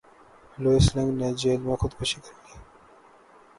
Louis لنگ نے jail میں خود کشی کر لی